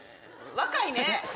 若いね。